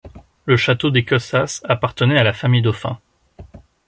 Le château d'Écossas appartenait à la famille Dauphin.